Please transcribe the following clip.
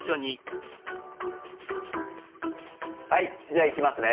はいじゃあいきますね。